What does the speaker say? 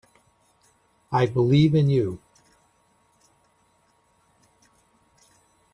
I believe in you.